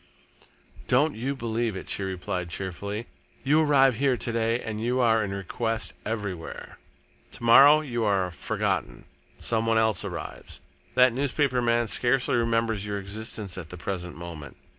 "Don't you believe it," she replied cheerfully. "You arrive here to day and you are in request everywhere. To morrow you are forgotten some one else arrives. That newspaper man scarcely remembers your existence at the present moment.